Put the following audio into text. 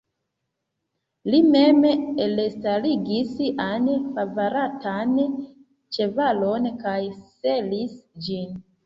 Li mem elstaligis sian favoratan ĉevalon kaj selis ĝin.